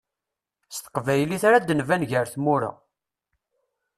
S teqbaylit ara d-nban gar tmura.